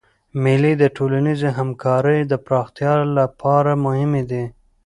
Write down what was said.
مېلې د ټولنیزي همکارۍ د پراختیا له پاره مهمي دي.